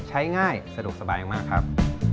ง่ายสะดวกสบายมากครับ